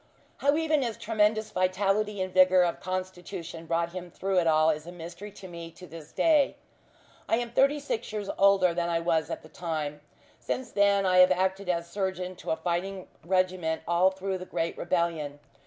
How even his tremendous vitality and vigour of constitution brought him through it all is a mystery to me to this day. I am thirty six years older than I was at that time. Since then I have acted as surgeon to a fighting regiment all through the great rebellion.